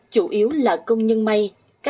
chủ yếu là công nhân may